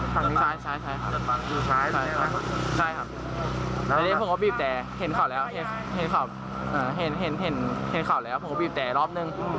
ใช่ครับผมก็บีบแต่เห็นเขาแล้วเห็นเขาแล้วผมก็บีบแต่รอบนึง